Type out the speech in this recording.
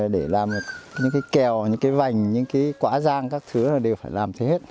để làm những cái kèo những cái vành những cái quả giang các thứ là đều phải làm thế hết